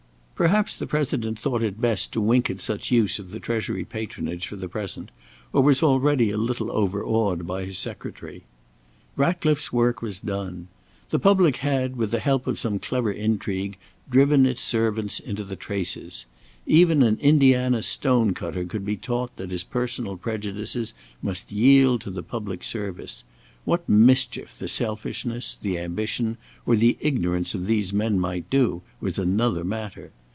Perhaps the President thought it best to wink at such use of the Treasury patronage for the present, or was already a little overawed by his Secretary. Ratcliffe's work was done. The public had, with the help of some clever intrigue, driven its servants into the traces. Even an Indiana stone cutter could be taught that his personal prejudices must yield to the public service. What mischief the selfishness, the ambition, or the ignorance of these men might do, was another matter.